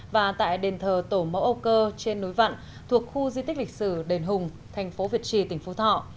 và tại đền thờ tổ mẫu âu cơ trên núi vạn thuộc khu di tích lịch sử đền hùng thành phố việt trì tỉnh phú thọ